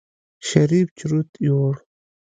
شريف چورت يوړ.